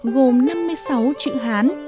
gồm năm mươi sáu chữ hán